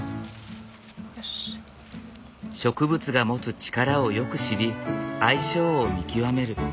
植物が持つ力をよく知り相性を見極める。